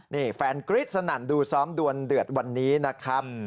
นี่แฟนกรี๊ดสนั่นดูซ้อมดวนเดือดวันนี้นะครับ